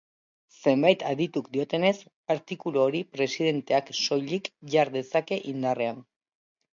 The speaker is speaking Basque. Zenbait adituk diotenez, artikulu hori presidenteak soilik jar dezake indarrean.